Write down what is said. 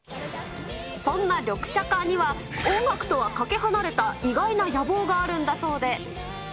そんなリョクシャカには、音楽とはかけ離れた意外な野望があるんだそうで。